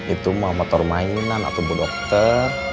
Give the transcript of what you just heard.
itu motor mainan atau bu dokter